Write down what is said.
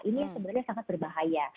ini yang sebenarnya sangat berbahaya